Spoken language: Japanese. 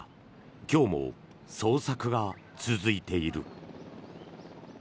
今日も捜索が続いている。